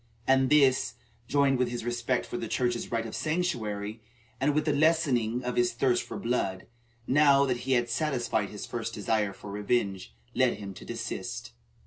And this, joined with his respect for the Church's right of sanctuary, and with the lessening of his thirst for blood, now that he had satisfied his first desire for revenge, led him to desist.